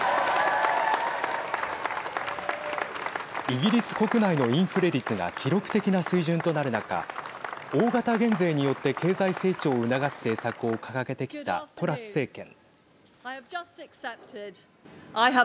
イギリス国内のインフレ率が記録的な水準となる中大型減税によって経済成長を促す政策を掲げてきたトラス政権。